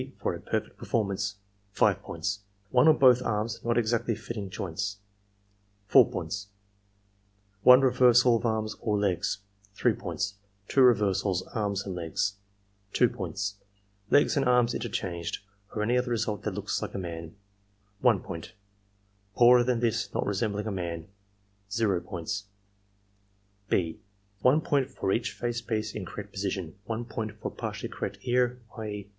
e., for a perfect performance 5 One or both arms not exactly fitting joints 4 One reversal of arms or legs 3 Two reversals, arms and legs 2 Legs and arms interchanged, or any other result that looks like a man 1 Poorer than this, not resembling a man (6) One point for each face piece in correct position, 1 point for a partly correct ear — ^i.